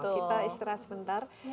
kita istirahat sebentar